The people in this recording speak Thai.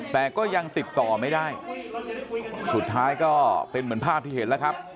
แต่ก็ยังติดต่อไม่ได้สุดท้ายก็เป็นเหมือนภาพที่เห็นแล้วครับ